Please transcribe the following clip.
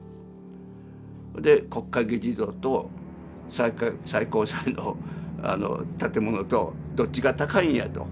で国会議事堂と最高裁の建物とどっちが高いんやと。